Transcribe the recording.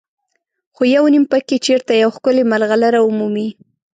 خو یو نیم پکې چېرته یوه ښکلې مرغلره ومومي.